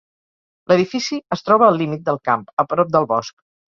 L'edifici es troba al límit del camp, a prop del bosc.